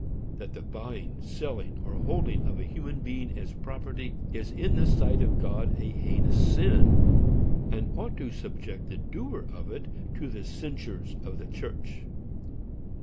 That the buying, selling, or holding a human being as property, is in the sight of God a heinous sin, and ought to subject the doer of it to the censures of the church.